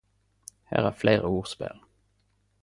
Her er fleire ordspel.